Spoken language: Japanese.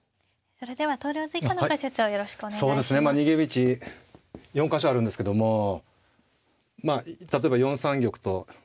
逃げ道４か所あるんですけどもまあ例えば４三玉と。